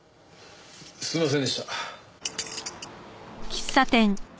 すいませんでした。